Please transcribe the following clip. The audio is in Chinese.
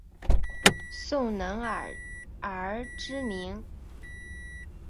宋能尔而知名。